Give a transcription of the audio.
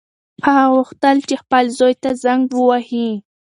هغه غوښتل چې خپل زوی ته زنګ ووهي.